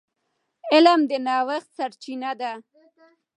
علم د نوښت سرچینه ده.